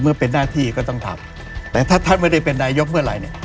เป็นหน้าที่ก็ต้องทำแต่ถ้าท่านไม่ได้เป็นนายกเมื่อไหร่เนี่ย